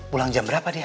pulang jam berapa dia